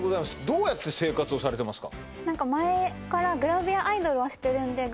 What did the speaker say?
どうやって生活をされてますか？